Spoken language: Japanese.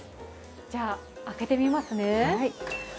じゃ、開けてみますね。